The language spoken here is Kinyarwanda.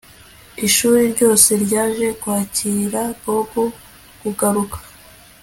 Ishuri ryose ryaje kwakira Bobo kugaruka